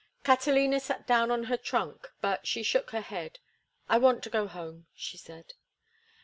Catalina sat down on her trunk, but she shook her head. "I want to go home," she said.